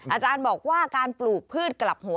อาจารย์บอกว่าการปลูกพืชกลับหัว